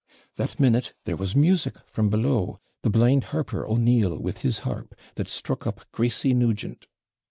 That minute there was music from below. The blind harper, O'Neill, with his harp, that struck up 'Gracey Nugent.'